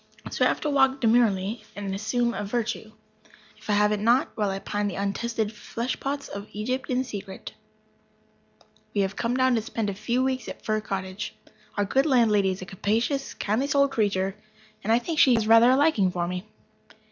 So I have to walk demurely and assume a virtue, if I have it not, while I pine after the untested flesh pots of Egypt in secret. We have come down to spend a few weeks at Fir Cottage. Our good landlady is a capacious, kindly souled creature, and I think she has rather a liking for me.